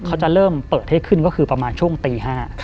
เขาจะเริ่มเปิดให้ขึ้นก็คือประมาณช่วงตี๕